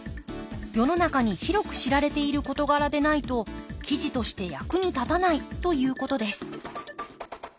世の中に広く知られている事柄でないと記事として役に立たないということです。